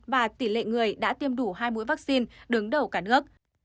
và tỷ lệ người đã tiêm đủ hai mũi vaccine đứng đầu cả nước